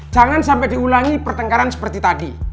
jangan sampai diulangi pertengkaran seperti tadi